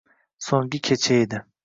So'nggi kecha edi.